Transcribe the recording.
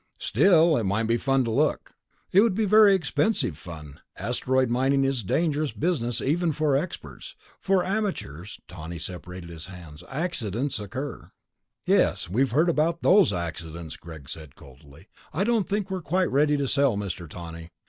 "Still, it might be fun to look." "It could be very expensive fun. Asteroid mining is a dangerous business, even for experts. For amateurs...." Tawney spread his hands. "Accidents occur...." "Yes, we've heard about those accidents," Greg said coldly. "I don't think we're quite ready to sell, Mr. Tawney.